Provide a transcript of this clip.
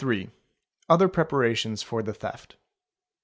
—Other Preparations for the theft.